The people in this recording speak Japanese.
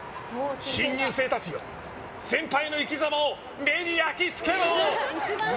新入生たちよ、先輩の生き様を目に焼き付けろ！